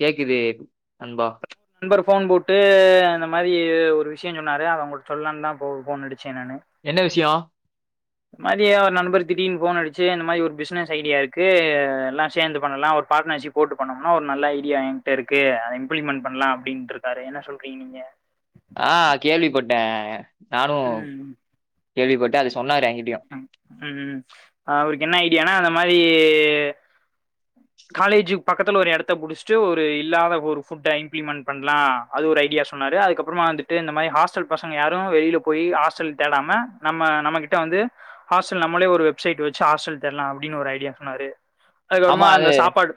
கேக்குது நண்பா நண்பர் ஃபோன் போட்டு இந்த மாரி ஒரு விஷய சொன்னாரு அது உங்கள்ட்ட சொல்லான்தா ஃபோன் அடிச்சேன்னானு என்ன விஷயோ மதியோ ஒரு நண்பர் திடீர்னு ஃபோன் அடிச்சு இந்த மாரி ஒரு பிசினஸ் ஐடியா இருக்கு எல்லா சேந்து பண்ணலா ஒரு பார்ட்னர்ஷிப் போட்டு பண்ணோம்னா ஒரு நல்ல ஐடியா என்ட்ட இருக்கு அத இம்ப்ளிமெண்ட் பண்ணலா அப்டின்னுட்டுருக்காரு என்ன சொல்றீங்க நீங்க ஆ கேள்விப்பட்ட நானு ம் கேள்விப்பட்ட அது சொன்னாரு என்கிட்டயு ம் ம் அவருக்கு என்ன ஐடியானா அந்த மாரி காலேஜுக்கு பக்கத்துல ஒரு எடத்த புடிச்சுட்டு ஒரு இல்லாத ஒரு ஃபுட்ட இம்ப்ளிமெண்ட் பண்ணலா அது ஒரு ஐடியா சொன்னாரு அதுக்கப்புறமா வந்துட்டு இந்த மாரி ஹாஸ்டல் பசங்க யாரு வெளில போய் ஹாஸ்டல் தேடாம நம்ம நம்ம கிட்ட வந்து ஹாஸ்டல் நம்மலே ஒரு வெப்சைட் வெச்சு ஹாஸ்டல் தேடலா அப்டின்னு ஒரு ஐடியா சொன்னாரு ஆமா அதுக்கப்பறமா அது அந்த சாப்பாடு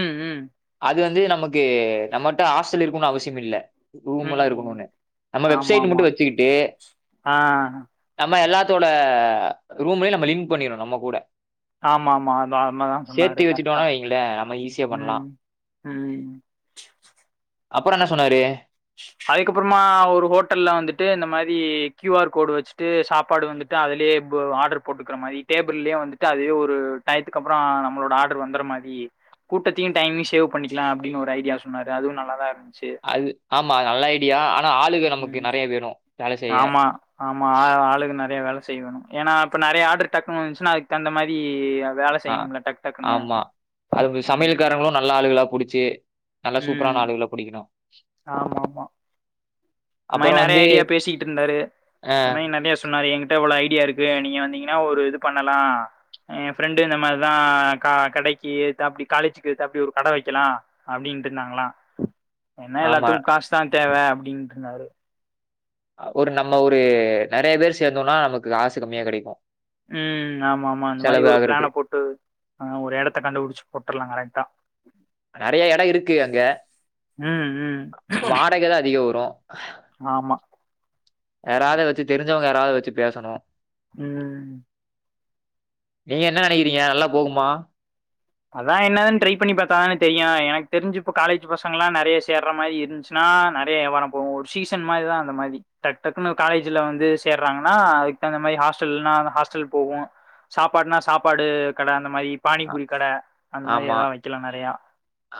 ம் ம் அது வந்து நமக்கு நம்மகிட்ட ஹாஸ்டல் இருக்குனு அவசியோமில்ல ரூம் எல்லா ம் இருக்கணுனு நம்ம வெப்சைட் ஆமாமா மட்டு வச்சுக்கிட்டு ஆ நம்ம எல்லாத்தோட ரூம்லயு நம்ம லிங்க் பண்ணிரனு நம்ம கூட ஆமா ஆமா அதா அமாதா சேத்தி சொன்னாரு கரெக்டா வச்சுட்டோனா வைங்களே நம்ம ஈஸியா பண்லா ம் ம் அப்புறோ என்ன சொன்னாரு அதுக்கப்புறமா ஒரு ஹோட்டல்ல வந்துட்டு இந்த மாரி கியூ ஆர் கோடு வச்சுட்டு சாப்பாடு வந்து ட்டு அதுலே ஆர்டர் போட்டுக்கிற மாரி டேபிள்ளேயே வந்துட்டு அதே ஒரு டயத்துக்கு அப்பறோ நம்மளோட ஆட் டர் வந்தற மாரி கூட்டத்தையு டைமையு சேவ் பண்ணிக்கலா அப்டின்னு ஒரு ஐடியா சொன்னாரு அதுவு நல்லாதா இருந்துச்சு அது ஆமா நல்ல ஐடியா ஆனா ஆளுக நமக்கு ம் நெறைய வேணு வேல செய்ய ஆமா ஆமா ஆ ஆளுக நெறைய வேல செய்ய வேணு ஏன்னா இப்போ நெறைய ஆர்டர் டக்குனு வந்துச்சுன்னா அதுக்கு தகுந்த மாரி வேல ஆ செய்யணும்ல டக்கு டக்குன்னு ஆமா அது சமையல்காரங்களு நல்லா ஆளுகளா புடுச்சு நல்லா ம் சூப்பரான ஆளுகளா புடிக்கனு இன்மாரி நெறைய ஐடியா பேசிக்கிட்டு இருந்தாரு ஆ இந்த மாரி நெறைய சொன்னாரு எங்கி ட்ட இவ்ள ஐடியா இருக்கு நீங்க வந்தீங்கன்னா ஒரு இது பண்ணலா ஏ ஃபிரெண்டு இந்த மாரிதா க கடைக்கி எய்தாப்டி காலேஜுக்கு எய்தாப்டி ஒரு கட வெக்கலா அப்புடின்ட்டு இருந்தாங்களா என்ன ஆமா. எல்லாத்துக்கு காசுதா தேவ அப்புடின்ட்டு இருந்தாரு ஒரு நம்ம ஒரு நெறைய பேர் சேந்தோனா நமக்கு காசு கம்மியா கெடைக்கு ம் ஆமா ஆமா அந்த மாரி ஒரு பிளானப் போட்டு ஆ ஒரு எடத்த கண்டுபுடுச்சு போட்டுருலா கரெக்டா நெறைய எடோ இருக்கு அங்க ம் ம் வாடகதா அதிகோ வரு ஆமா யாராவது வெச்சு தெரிஞ்சவங்க யாராவது வச்சு பேசனு ம் நீங்க என்ன நினைக்கிறீங்க நல்லா போகுமா அதா என்னதுன்னு ட்ரை பண்ணி பத்தாதான தெரியு எனக்கு தெரிஞ்சு இப்போ காலேஜ் பசங்கலா நெறைய சேர்ர மாரி இருந்ச்சு னா நெறைய யாவாரோ போகு ஒரு சீசன் மாரிதா அந்த மாரி டக்கு டக்குன்னு காலேஜ்ல வந்து சேர்றாங்கன்னா அதுக்கு தகுந்தமாரி ஹாஸ்டல்லான்னா ஹாஸ்டல் போகு சாப்பாடுனா சாப்பாடு கட அந்த மாரி அ பானிபூரி கட அந்த மாரி ஆமா. ஏதாவ வெக்கலா நெறையா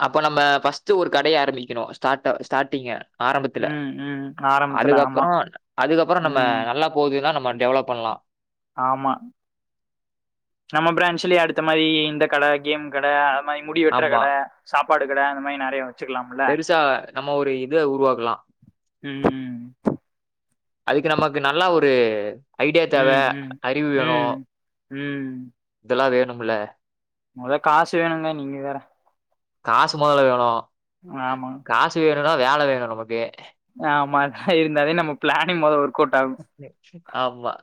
அப்ப நம்ம பர்ஸ்ட் ஒரு கடைய ஆரம்பிக்கணு ஸ்டார்ட ஸ்டார்ட்டிங்கா ஆரம்பத்துல ம் ம் ஆரம்பத்துல ஆமா அதுக்கப்புறோ அதுக்கப்புறோ நம்ம ம் நல்லா போதுன்னா நம்ம டெவலப் பண்ணலா ஆமா நம்ம பிரான்ச்சலயே அடுத்த மாரி இந்த கட கேம் கட அது மாரி முடி வெட்ற ஆமா. கட சாப்பாடு கட அந்த மாரி நெறைய வச்சுக்கலாம்ல பெருசா நம்ம ஒரு இத உருவாக்கலா ம் ம் அதுக்கு நமக்கு நல்லா ஒரு ஐடியா தேவ ம் ம் அறிவு வேனு ம் ம் இதெல்லா வேணுமுல்ல மொத காசு வேணுங்க நீங்க வேற காசு மொதல்ல வேணு ஆமா காசு வேணுனா வேல வேணு நமக்கு ஆமா இருந்தாலே நம்ம ப்ளனிங் மொத ஒர்க் அவுட் ஆகு [unintelligible] ஆமா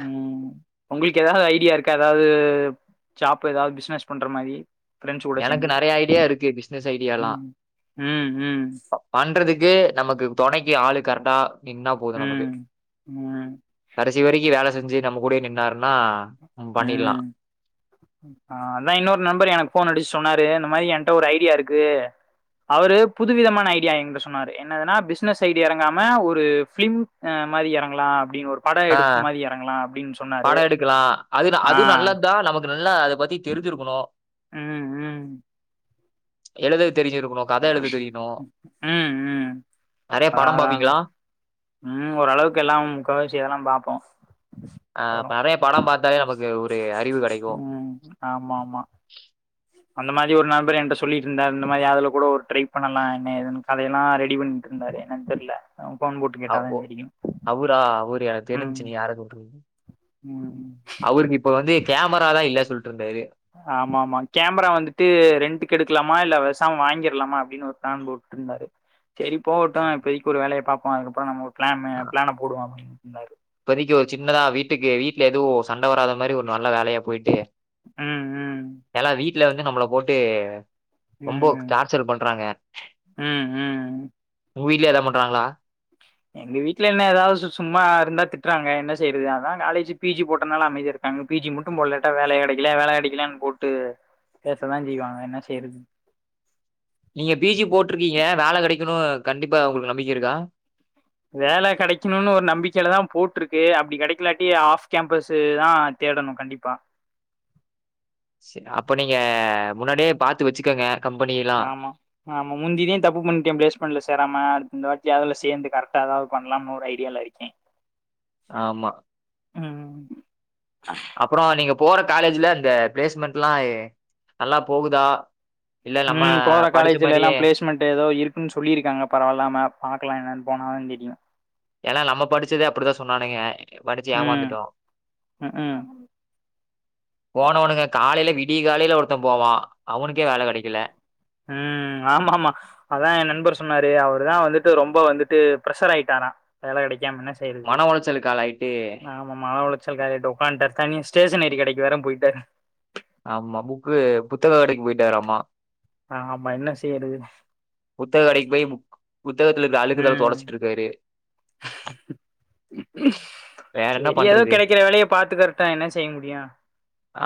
ம் உங்களுக்கு ஏதாவது ஐடியா இருக்கு ஏதாவது ஜாப் ஏதாவது பிசினஸ் பண்ற மாரி ஃப்ரெண்ட்ஸ் கூட எனக்கு சேந்து நெறைய ஐடியா இருக்கு பிஸ்னஸ் ஐடியால்லா ம் ம் ம் பண்றதுக்கு நமக்கு தொணைக்கு ஆளு கரெக்டா நின்னா போது நமக்கு ம் ம் கடைசி வரைக்கி வேல செஞ்சி நம்ம கூடயே நின்னாருன்னா ம் ஆ அதா இன்னொரு நண்பர் எனக்கு போன் அடிச்சு சொன்னாரு இந்த மாரி என்ட்ட ஒரு ஐடியா இருக்கு அவரு புதுவிதமான ஐடியா என்கிட்ட சொன்னாரு என்னதுன்னா பிஸ்னஸ் ஐடி எறங்காம ஒரு ஃபிலிம் மாரி எறங்கலா அப்டின்னு ஒரு படம் எடுப்பு மாரி எறங்கலா அப்டின் சொன்னாரு இருக்கலா அது ஆ அது நல்லதுதா நமக்கு நல்லா அத பத்தி தெரிஞ்சிருக்கணு ம் ம் எழுத தெரிஞ்சிருக்கணு கத எழுத தெரியணு ம் ம் நெறைய அதா படோ அதா பாப்பீங்களா ம் ஓரளவுக்கு எல்லாம் முக்காவாசி இதெல்லா பாப்போ அ வரு நறைய படம் பாத்தாலே நமக்கு ஒரு அறிவு கெடைக்கு ஆமாமா அந்த மாதி ஒரு நண்பர் என்ட்ட சொல்லிட்டு இருந்தார் இந்த மாதி அதுல கூட ஒரு ட்ரை பண்ணலா என்ன ஏதுன்னு கதையெல்லா ரெடி பண்ணிட்ருந்தாரு என்னன் தெர்ல அவ ஃபோன் போட்டு அவ் கேட்டாதா ஓ, தெரியு அவரா அவரு எனக்கு ம் தெரிஞ்ச்சு நீ யார சொல்றீங்க ம் ம் அவருக்கு இப்ப வந்து கேமராலா இல்ல சொல்ட்டு இருந்தாரு ஆமாமா கேமரா வந்துட்டு ரெண்டுக்கு எடுக்கலாமா இல்ல பேசாம வாங்கிர்லாமா அப்டின்னு ஒரு ப்ளான் ப்ரோ வந்தாரு சேரி போகட்டு இப்போதைக்கு ஒரு வேலைய பாப்போ அதுக்கப்புறோ நம்ம ஒரு ப்ளன்னு ப்ளன போடுவோ அப்டின்னு சொன்னாரு இப்போதைக்கு ஒரு சின்னதா வீட்டுக்கு வீட்ல எதுவு சண்ட வராத மாதிரி ஒரு நல்ல வேலையா போய்ட்டு ம் ம் இல்லனா வீட்ல வந்து நம்மள போட்டு ரொம்போ ம் டார்ச்சர் பண்றாங்க ம் ம் உங்க வீட்ல ஏதா பண்றாங்களா எங்க வீட்ல என்ன ஏதாவது சும்மா இருந்தா திட்டுறாங்க என்ன செய்யிறது அதா காலேஜி பி ஜி போட்டனால அமைதியா அங்க பி ஜி மட்டு போடலட்டா வேல கிடைக்கல வேல கிடைக்கலன் போட்டு பேசதா செய்வாங்க என்ன செய்யறது நீங்க பி ஜி போட்ருக்கீங்க வேல கிடைக்கணு கண்டிப்பா உங்களுக்கு நம்பிக்க இருக்கா வேல கெடைக்கணுன் ஒரு நம்பிக்கைல தா போட்டிருக்கு அப்டி கெடைக்கலாட்டி ஆஃப் கேம்பஸ்சு தா தேடணு கண்டிப்பா சே அப்ப நீங்க முன்னாடியே பாத்து வச்சிக்கங்க ஆமா ஆமா முந்திதே தப்பு பண்ணிட்ட பிளேஸ்மெண்ட்ல சேராம அடுத்து இந்த வாட்டி அதுல சேந்து கரெட்டா அதாது பண்ணலாம் ஒரு ஐடியால இருக்கே ஆமா ம் அப்றோ நீங்க போற காலேஜ்ல அந்த பிளேஸ்மெண்ட்லா நல்லா போகுதா இல்ல நம்ம படிச்ச மாரியே ப்ளேஸ்மென்ட் ஏதோ இருக்குன்னு சொல்லிருக்காங்க பரவாயில்லாம பாக்கலா எனன்னு போனாதா தெரியு ஏனா நம்ம படிச்சதே அப்டிதா சொன்னானுங்க படிச்சு ம் ஏமாந்துட்டோ ம் ம் போனவனுங்க காலையில விடிய காலையில ஒருத்த போவா அவனுக்கே வேல கெடைக்கல ம் ஆமா ஆமா அதா என் நண்பர் சொன்னாரு அவர் தா வந்துட்டு ரொம்ப வந்துட்டு பிர்ஷர் ஆயிட்டாரா வேலை கிடைக்காம என் செய்றது மன உளைச்சலுக்கு ஆளாயிட்டு நா மனஉளைச்சல்ல உக்கான்டார் தனி ஸ்டேஷனரி கடைக்கு வேற போயிட்டாரு ஆமா புக்கு புத்தக கடைக்கு போயிட்டாராமா ஆ ஆமா என்ன செய்றது புத்தக கடைக்கு போய் புத்தகத்தில இருக்க அழுக்கெல்லா ம். தொடச்சிட்டு இருக்காரு வேற என்ன சேரி யதோ பண்றது கிடைக்கிற வேலையை பாத்துக்கறட்டு என செய்ய முடியு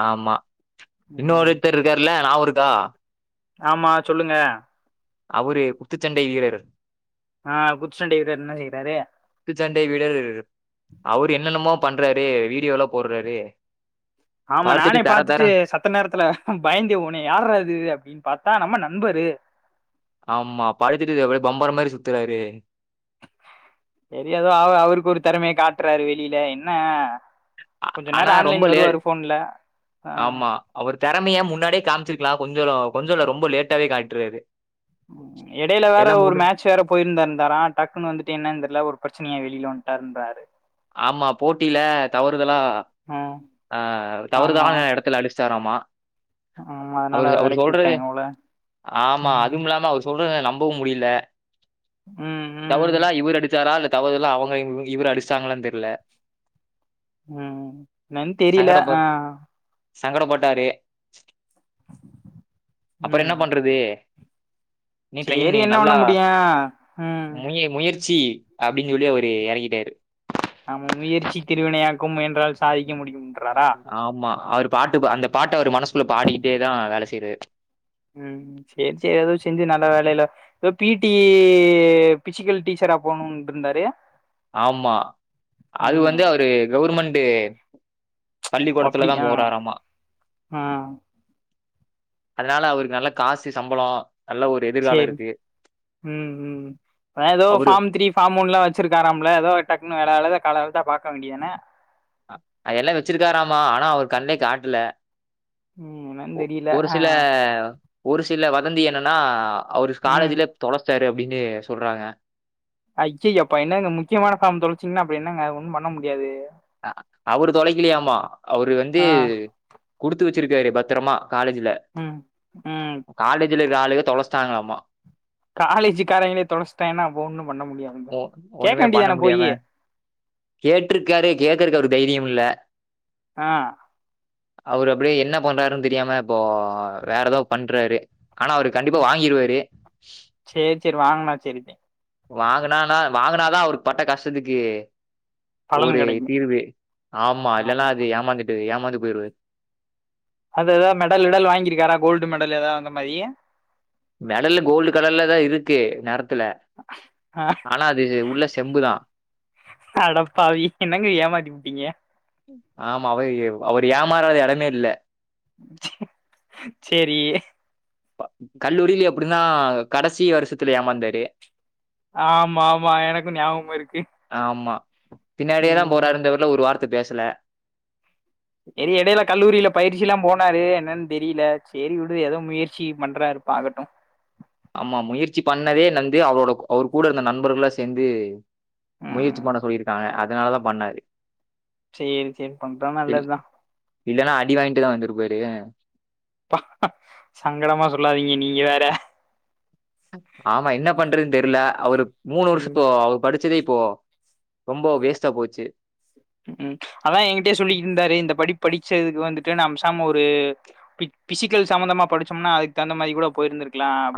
ஆமா இன்னு ஒருத்தர் இருக்காருல நாபகோ இருக்கா ஆமா சொல்லுங்க அவரு குத்துச்சண்டை வீரர் ஆ குத்துசண்டை வீரர் என்ன செய்றாரு குத்துச்சண்டை வீரர் அவரு என்னென்னமோ பண்றாரு வீடியோலா போடுறாரு ஆமா பார்த்துட்டு நானே தர பாத்துட்டு தரன் சத்த நேரத்துல பயந்த போனே யார்ரா இது அப்டின்னு பாத்தா நம்ம நண்பரு ஆமா படுத்துட்டு அப்டியே பம்பரோ மாரி சுத்துறாரு சேரி ஏதோ அவ அவருக்கு ஒரு திறமையை காட்டுறாரு வெளியில என்ன ஆ- கொஞ்சோ ஆனா நேரோ ரொம்ப ஆன்லைன் லேட் வருவாரு ஃபோன்ல ஆ ஆமா அவர் திறமையா முன்னாடியே காமிச்சிருக்கலா கொஞ்சோல கொஞ்சோல்ல ரொம்ப லேட்டாவே காட்டுறாரு இடையில வேற எல்லாம் ஒரு முடி மேட்ச் ச் வேற போயிருந்தே இருந்தாரா டக்குன்னனு வந்துட்டு என்னு தெரில ஒரு பிரச்சனையா வெளியில வந்துட்டாரு இன்றாரு ஆமா போட்டில தவறுதலா ம் ஆ ஆமா தவறுதலான இடத்துல அடிச்சிட்டாராமா ஆமா அதனால அவரு அவரு வெலைக்கி சொல்றது வுட்டாய்ங்க போல ஆமா ம் அதுவும் இல்லாம அவர் சொல்றத நம்பவு முடியல ம் ம் தவறுதலா இவர் அடிச்சாரா இல்ல தவறுதலா அவுங்க இங் இவர அடிச்சிட்டாங்களானு தெரில ம் எனன்னு தெரில ஆ சங்கடபட்டாரு அப்றோ என்ன ம் பண்றது நீ ட்ரெயின் சேரி என்ன பண்ண நல்லா முடியு ம் முய் முயற்சி அப்டின்னு சொல்லி அவரு இறங்கிட்டாரு ஆமா முயற்சி திருவினையாக்கு முயன்றால் சாதிக்க முடியும் ஆமா அவரு பாட்டு அந்த பாட்ட அவரு மனசுக்குள்ள பாடிட்டே தா வேலை செய்யறாரு ம் சேரி சேரி எதோ செஞ்சு நல்ல வேலையில எதோ பி டி பிசிக்கல் டீச்சரா போணும்ட்டு இருந்தாரு ஆமா அது வந்து அவரு கவுர்மென்ட்டு அப்டி பள்ளிக்கோடத்துலதா ஆ போறாறாம ஆ அதனால அவருக்கு நல்ல காசு சம்பளொ நல்ல ஒரு எதிர்காலம் சேரி இருக்கு. ம் ம் ஏதோ அவரு ஃபாம் த்ரி சாமூன்லா வச்சிருக்காராம்ல எதோ டக்குன்னு விலையத கால தா பாக்க வேண்டியதானெ அதெல்லா வச்சிருக்காராமா ஆனா அவர் கண்லே காட்ல ம் என்னன்னு தெரியல ஒரு ஆ சில ஒரு சில வதந்தி என்னன்னா அவரு ம் காலேஜ்லயே தொலைச்சிட்டாரு அப்டின்னு சொல்றாங்க அய்யய்யோ அப்ப என்ன இந்த முக்கியமான ஃபாம் தொலைச்சிங்கன்னா அப்டி என்னங்க அது ஒன்னு பண்ண முடியாது அவரு தொலைக்கலையாமா அவரு வந்து ஆ குடுத்து வச்சிருக்காரு பத்தரமா காலேஜ்ல ம் ம் காலேஜ்ல இருக்க ஆளுக தொலைச்சுட்டாங்லாமா காலேஜு காரங்களே தொலச்சுட்டாய்ங்னா அப்ப ஒன்னு பண்ண முடியு ஓ ஒண்ணுமே பண்ண முடியாம கேட்டிருக்காரு கேக்குறக்கு அவருக்கு தைரியமில்ல ஆ அவரு அப்டியே என்ன பண்றாருன் தெரியாம இப்போ வேற ஏதோ பண்றாரு ஆனா அவரு கண்டிப்பா வாங்கிருவாரு சேரி சேரி வாங்குனா சேரிதெ வாங்குனானா வாங்குனாதா அவர் பட்ட கஷ்டத்துக்கு பலன் ஒரு கெடைக்கு தீர்வு ஆமா இல்லன்னா அது ஏமாந்துட்டு ஏமாந்து போயிருவாரு அது எதா மெடல் கிடல் வாங்கியிருக்காரா கோல்டு மெடல் ஏதா அந்த மாரி மெடல்லு கோல்டு கலர்ல தா இருக்கு நெரத்துல ஆனா அது உள்ள செம்பு தா அடப்பாவி என்னங்க ஏமாத்தி புட்டிங்க ஆமா அவர் அவர் ஏமாறாத எடமே இல்ல சேரி கல்லூரிலெயு அப்டிதா கடைசி வருஷத்துல ஏமாந்தாரு ஆமாமா எனக்கு ஞாபகமிருக்கு ஆமா பின்னாடியேதா போற இருந்தவர்ல ஒரு வார்த்த பேசல சரி எடையில கல்லூரியில பயிற்சி எல்லா போனாரு என்னன் தெரியல சேரி விடு ஏதோ முயற்சி பண்றாரு பாக்கட்டு ஆமா முயற்சி பண்ணதே நந்து அவரோட அவர் கூட இருந்த நண்பர்களா சேந்து முயற்சி ம் பண்ண சொல்லிருக்காங்க அதனாலதா பண்ணாரு சேரி சேரி பண்றா இல் நல்லத்தா இல்லன்னா அடி வாங்கிட்டுதா வந்திருப்பாரு ப்ப சங்கடமா சொல்லாதீங்க நீங்க வேற ஆமா என்ன பண்றதுன் தெர்ல அவரு மூணு ம் வருஷத்த அவ படிச்சதே இப்போ ரொம்ப வேஸ்ட்டா போச்சு ம் அதா ஏங்கிட்டயே சொல்லிட்ருந்தாரு இந்த படி படிச்சதுக்கு வந்துட்டு நாம்பேசாம ஒரு பி பிசிக்கல் சம்மந்தமா படிச்சோம்னா அதுக்கு தகுந்த மாரி கூட போயிருந்துருக்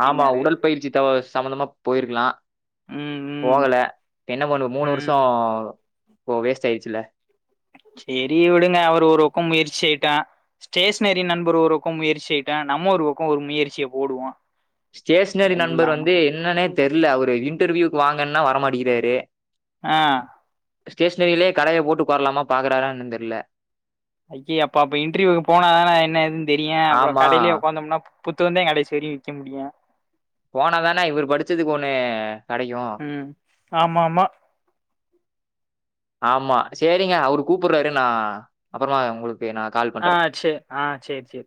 ஆமா உடல் பயிற்சி த சம்பந்தமா போயிர்க்கலா ம் ம் போகல என்ன பண்ணுவ மூணு ம் வர்ஷொ வேஸ்ட் ஆய்ட்ச்சில்ல சரி விடுங்க அவர் ஒரு வக்கொ முயற்சி செய்யட்டு ஸ்டேஷனரி நண்பர் ஒருவக்கொ முயற்சி செய்யட்டு நம்ம ஒரு வக்கொ ஒரு முயற்சிய போடுவோ ஸ்டேஷனரி நண்பர் வந்து என்னன்னே தெர்ல அவரு இன்டர்வியூக்கு வாங்கன்னா வரமாட்டேங்கிறாரு ஆ ஸ்டேஷனரியிலெ கடைய போட்டு உக்காரலாம பாக்குறாரானு என்னன் தெர்ல ஐயே அப்ப அப்ப இன்டர்வியூக்கு போனாதான என்ன ஏதுன் தெரியு அப்பறோ ஆமா கடைலே உக்காந்தோம்னா புத்தகந்தா கடைசி வரையு விக்க முடியு போனாதானா இவர் படிச்சதுக்கு ஒன்னு கெடைக்கு ம் ஆமா ஆமா ஆமா சேரிங்க அவரு கூப்புறாரு நா அப்பறமா உங்களு க்கு நா கால் ஆ பண்றே சேரி ஆ சேரி சேரி